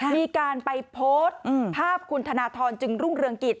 มีการไปโพสต์ภาพคุณธนทรจึงรุ่งเรืองกิจ